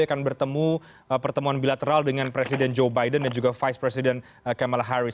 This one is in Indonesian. akan bertemu pertemuan bilateral dengan presiden joe biden dan juga vice president kamala harris